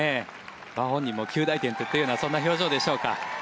本人も、及第点といったそんな表情でしょうか。